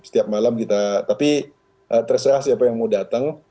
tapi terserah siapa yang mau datang